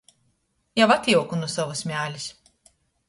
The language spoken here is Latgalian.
Jau atjiuku nu sovys mēlis.